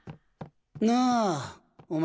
なあお前